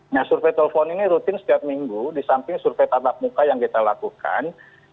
nah survei telepon ini rutin setiap minggu di samping survei tatap muka yang kita lakukan